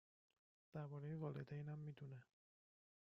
درباره والدینم می دونه